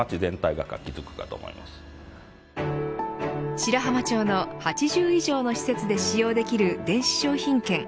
白浜町の８０以上の施設で使用できる電子商品券。